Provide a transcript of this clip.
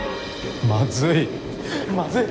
まずい。